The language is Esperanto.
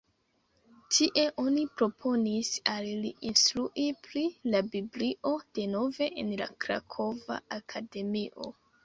Tie oni proponis al li instrui pri la Biblio denove en la Krakova Akademio.